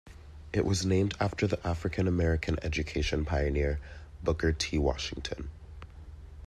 It was named after the African-American education pioneer Booker T. Washington.